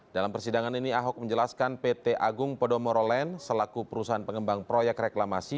dalam persidangan ini ahok menjelaskan pt agung podomoro land selaku perusahaan pengembang proyek reklamasi